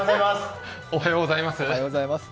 おはようございます。